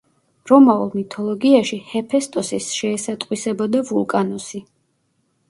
რომაულ მითოლოგიაში ჰეფესტოსის შეესატყვისებოდა ვულკანუსი.